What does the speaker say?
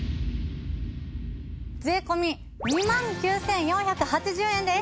税込２万９４８０円です。